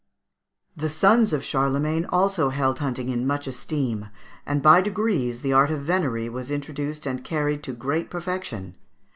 The sons of Charlemagne also held hunting in much esteem, and by degrees the art of venery was introduced and carried to great perfection.